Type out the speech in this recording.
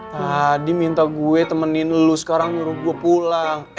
tadi minta gue temenin lu sekarang ngurup gue pulang